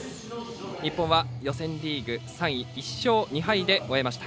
日本は予選リーグ３位１勝２敗で終えました。